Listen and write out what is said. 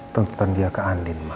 tentang dia ke andin ma